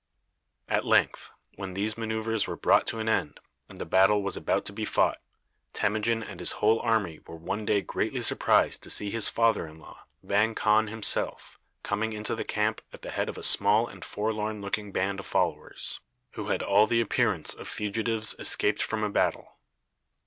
At length, when these manoeuvres were brought to an end, and the battle was about to be fought, Temujin and his whole army were one day greatly surprised to see his father in law, Vang Khan himself, coming into the camp at the head of a small and forlorn looking band of followers, who had all the appearance of fugitives escaped from a battle.